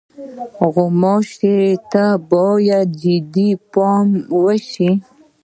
غوماشې ته باید جدي پام وشي.